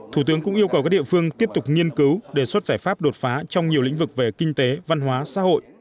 thủ tướng cũng yêu cầu các địa phương tiếp tục nghiên cứu đề xuất giải pháp đột phá trong nhiều lĩnh vực về kinh tế văn hóa xã hội